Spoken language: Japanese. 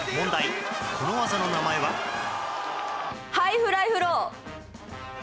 ハイフライフロー。